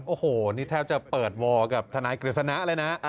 โอ้โหนี่แทบจะเปิดวอร์กับทนายกฤษณะเลยนะ